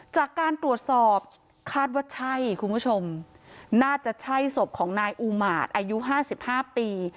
จากการตรวจสอบคาดว่าใช่คุณผู้ชมน่าจะใช่ศพของนายอูมาตรอายุ๕๕ปี